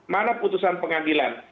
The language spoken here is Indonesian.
mana putusan pengadilan